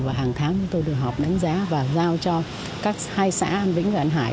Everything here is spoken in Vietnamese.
và hàng tháng chúng tôi được họp đánh giá và giao cho các hai xã vĩnh an hải